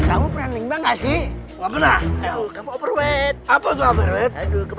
aku yang di atas sekarang